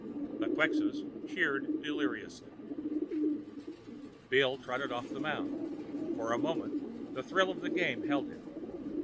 The Quxas cheered deliriously. Bill trotted off the mound. For a moment, the thrill of the game held him.